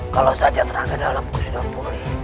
jika saja terangga dalamku sudah pulih